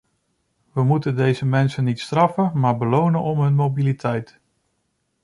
We moeten deze mensen niet straffen, maar belonen om hun mobiliteit.